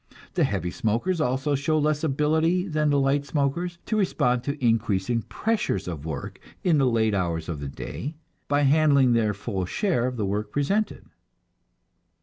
The heavy smokers also show less ability than the light smokers to respond to increasing pressure of work in the late hours of the day by handling their full share of the work presented."